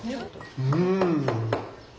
うん！